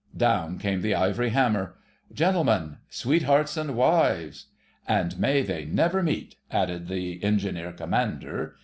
Down came the ivory hammer— "Gentlemen—Sweethearts and Wives!" "And may they never meet!" added the Engineer Commander.